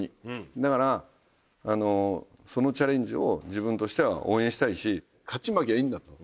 だからそのチャレンジを自分としては応援したいし勝ち負けはいいんだと。